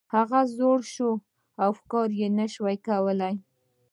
هغه زوړ شوی و او ښکار یې نشو کولی.